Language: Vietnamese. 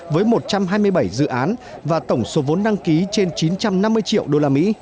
với một trăm hai mươi bảy dự án và tổng số vốn đăng ký trên chín trăm năm mươi triệu usd